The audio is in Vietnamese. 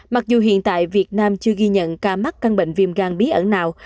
mặc dù hiện tại việt nam chưa ghi nhận ca mắc căn bệnh viêm gan bí ẩn nào